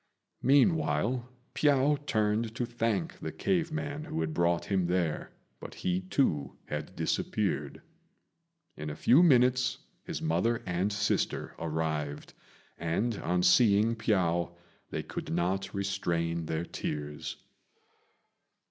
Meanwhile, Piao turned to thank the cave man who had brought him there, but he, too, had disappeared. In a few minutes his mother and sister arrived, and, on seeing Piao, they could not restrain their tears.